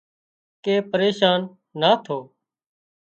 ڪي پريشان نا ٿو